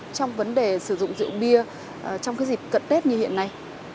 trong vấn đề sử dụng rượu bia trong dịp cận tết như hiện nay